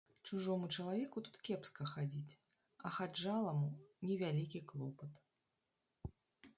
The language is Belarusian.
Чужому чалавеку тут кепска хадзіць, а хаджаламу не вялікі клопат.